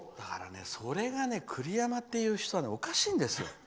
それがね栗山という人はおかしいんですよ。